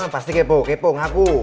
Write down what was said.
pasti kepo ngaku